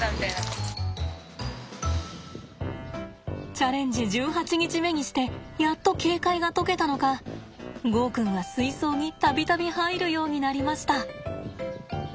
チャレンジ１８日目にしてやっと警戒が解けたのかゴーくんは水槽に度々入るようになりました。